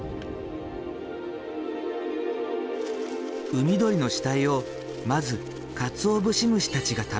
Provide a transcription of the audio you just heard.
海鳥の死体をまずカツオブシムシたちが食べる。